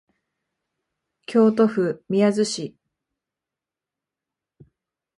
京都府宮津市